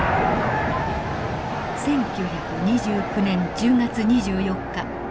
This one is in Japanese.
１９２９年１０月２４日。